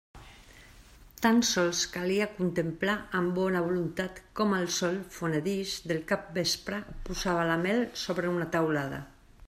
Tan sols calia contemplar amb bona voluntat com el sol fonedís del capvespre posava la mel sobre una teulada.